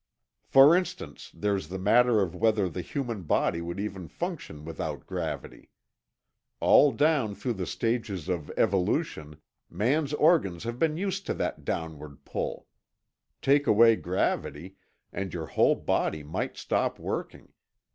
"For instance, there's the matter of whether the human body would even function without gravity. All down through the stages of evolution, man's organs have been used to that downward pull. Take away gravity, and your whole body might stop working.